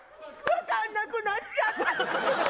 分かんなくなっちゃった？